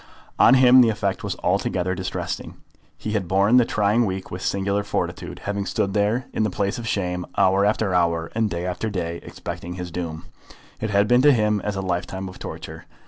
On him the effect was altogether distressing. He had borne the trying week with singular fortitude, having stood there in the place of shame hour after hour, and day after day, expecting his doom. It had been to him as a lifetime of torture.